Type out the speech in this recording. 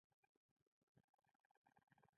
د کابل ژمی څومره دوام کوي؟